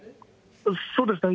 そうですね。